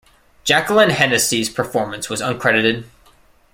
Jacqueline Hennessy's performance was uncredited.